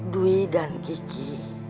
dwi dan kiki